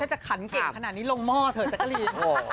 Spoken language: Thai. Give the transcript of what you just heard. ถ้าจะขันเก่งขนาดนี้ลงหม้อเถอะจักรีน